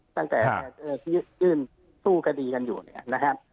ตั้งแต่ยื่นสู้คดีกันอยู่นะครับ